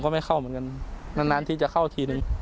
ไม่เข้าเหมือนกันนานที่จะเข้าทีนึง